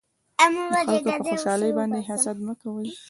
د خلکو په خوشحالۍ باندې حسد مکوئ